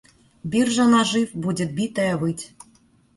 Биржа нажив, будешь битая выть.